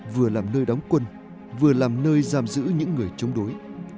vừa làm nơi đóng quân vừa làm nơi giam giữ những người chống đối